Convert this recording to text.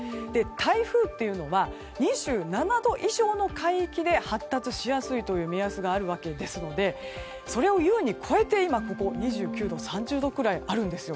台風というのは２７度以上の海域で発達しやすいという目安があるわけですのでそれを優に超えて今２９度、３０度くらいあるんですよ。